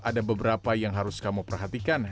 ada beberapa yang harus kamu perhatikan